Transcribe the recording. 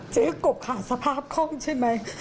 เจ๊กบขาดสภาพคล่องใช่ไหม